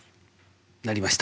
なりました。